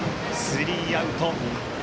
スリーアウト。